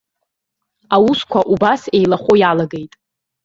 Аусқәа убас еилахәо иалагеит.